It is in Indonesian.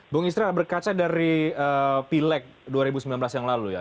bung isra berkaca dari pileg dua ribu sembilan belas yang lalu ya